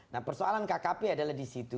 nah persoalan kkp adalah di situ